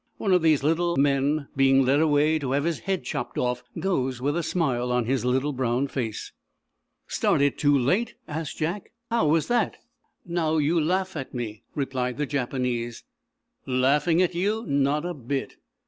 One of these little men, being led away to have his head chopped off, goes with a smile on his little brown face. "Started too late?" asked Jack. "How was that?" "Now, you laugh at me," replied the Japanese. "Laughing at you? Not a bit!"